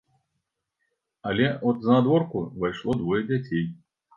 Але от знадворку ўвайшло двое дзяцей.